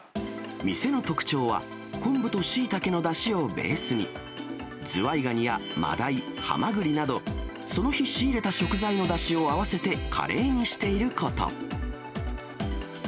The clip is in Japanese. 店の特徴は、昆布とシイタケのだしをベースに、ズワイガニやマダイ、ハマグリなど、その日仕入れた食材のだしを合わせてカレーにしていること。